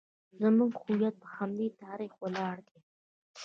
زموږ هویت په همدې تاریخ ولاړ دی